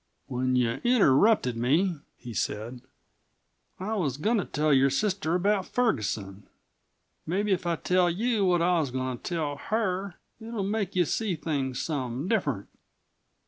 "When you interrupted me," he said, "I was goin' to tell your sister about Ferguson. Mebbe if I tell you what I was goin' to tell her it'll make you see things some different.